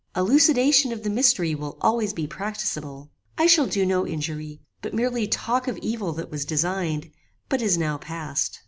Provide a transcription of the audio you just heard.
Elucidation of the mystery will always be practicable. I shall do no injury, but merely talk of evil that was designed, but is now past.